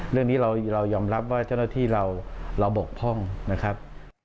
เรื่องนี้เรายอมรับว่าเจ้าหน้าที่เราบกพร่องนะครับ